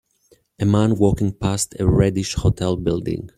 A man walking past a reddish hotel building.